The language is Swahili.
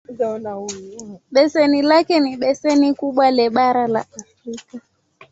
Beseni lake ni beseni kubwa le bara la Afrika.